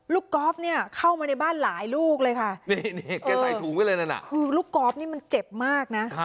ลูกกอล์ฟเนี่ยเข้ามาในบ้านหลายลูกเลยค่ะคือลูกกอล์ฟนี่มันเจ็บมากนะ